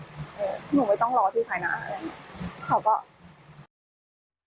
หนูไม่ต้องรอที่ภายหน้าอะไรแบบนี้